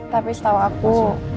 tapi setau aku